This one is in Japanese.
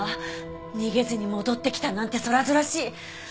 逃げずに戻ってきたなんて空々しい。